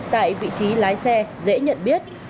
tại vị trí lái xe dễ nhận biết